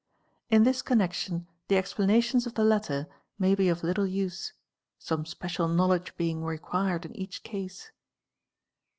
In this connection the explanations of the latter may be of little , some special knowledge being required in each case.